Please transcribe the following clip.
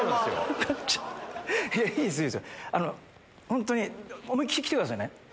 本当に思い切り来てくださいね。